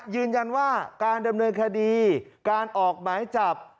ยืนยันว่าการดำเนินคดีการออกหมายจับ